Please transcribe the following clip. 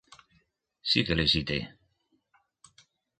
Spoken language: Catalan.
Sí, que les hi té.